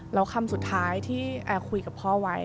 แล้วคำสุดท้ายที่แอร์คุยกับพ่อไว้